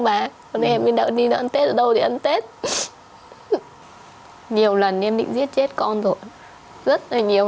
là anh em bị đậu wasa ăn tết ở đâu thì ăn tết nhiều lần nhưng bị giết chết con rồi ạ rất nhiều